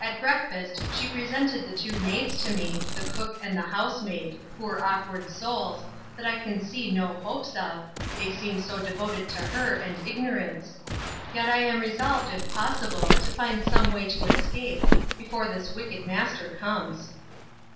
At breakfast she presented the two maids to me, the cook and house maid, poor awkward souls, that I can see no hopes of, they seem so devoted to her and ignorance. Yet I am resolved, if possible, to find some way to escape, before this wicked master comes.